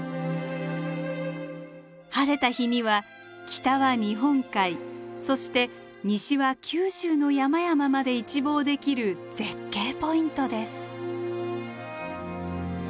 晴れた日には北は日本海そして西は九州の山々まで一望できる絶景ポイントです。